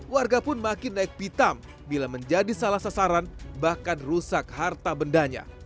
warga pun makin naik pitam bila menjadi salah sasaran bahkan rusak harta bendanya